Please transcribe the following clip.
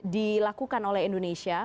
dilakukan oleh indonesia